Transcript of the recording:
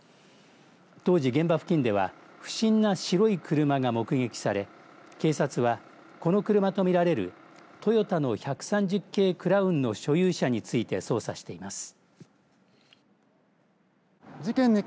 当時、現場付近では不審な白い車が目撃され警察は、この車と見られるトヨタの１３０系クラウンの所有者について捜査しています。